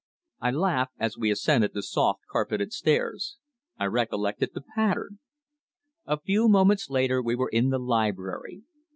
I laughed as we ascended the soft carpeted stairs. I recollected the pattern. A few moments later we were in the library.